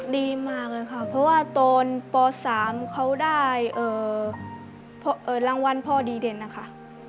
ดีมากเลยค่ะเพราะว่าตอนป๓เขาได้รางวัลพ่อดีเด่นนะคะ